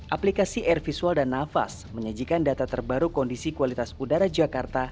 aplikasi air visual dan nafas menyajikan data terbaru kondisi kualitas udara jakarta